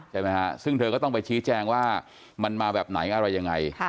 ใช่ไหมฮะซึ่งเธอก็ต้องไปชี้แจงว่ามันมาแบบไหนอะไรยังไง